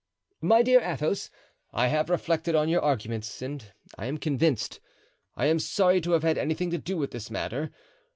"My dear Athos, I have reflected on your arguments and I am convinced. I am sorry to have had anything to do with this matter.